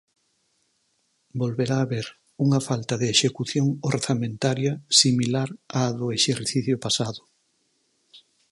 Volverá haber unha falta de execución orzamentaria similar á do exercicio pasado.